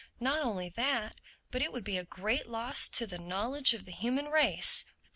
Not only that, but it would be a great loss to the knowledge of the human race.